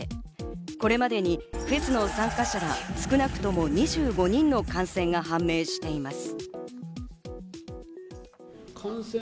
これまでにフェスの参加者ら少なくとも２５人の感染が判明しています。